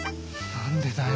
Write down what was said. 何でだよ。